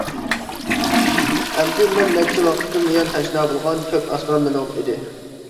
ئەمدى مەن نەچچە ۋاقىتتىن بۇيان تەشنا بولغان كۆك ئاسمان مېنىڭ ئىدى.